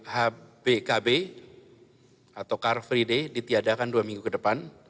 hbkb atau car free day ditiadakan dua minggu ke depan